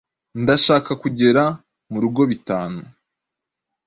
Ndashaka kugera murugo bitanu.